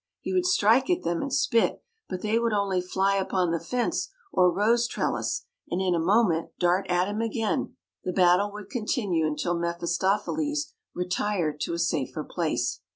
He would strike at them and spit, but they would only fly upon the fence or rose trellis and in a moment dart at him again. The battle would continue until Mephistopheles retired to a safer place.